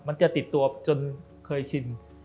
มันจะติดตัวจนเคยชิน